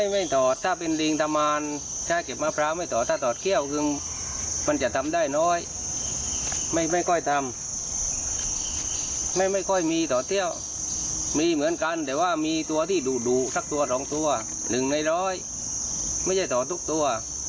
หนึ่งในร้อยไม่ใช่ถอดทุกตัว